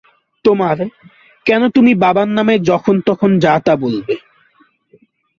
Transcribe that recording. তোমার, কেন তুমি বাবার নামে যখন তখন যা তা বলবে?